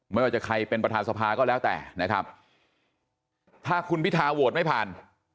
ไม่ว่าจะใครเป็นประธานสภาก็แล้วแต่นะครับถ้าคุณพิทาโหวตไม่ผ่าน